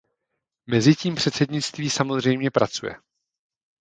Mezi tím předsednictví samozřejmě pracuje.